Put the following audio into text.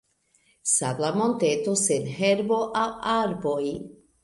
Sabla monteto sen herbo aŭ arboj.